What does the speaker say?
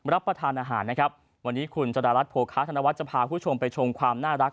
รับประทานอาหารนะครับวันนี้คุณจดารัฐโภคาธนวัฒน์จะพาคุณผู้ชมไปชมความน่ารัก